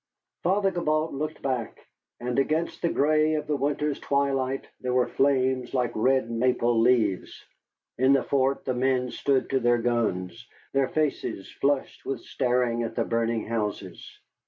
Father Gibault looked back, and against the gray of the winter's twilight there were flames like red maple leaves. In the fort the men stood to their guns, their faces flushed with staring at the burning houses.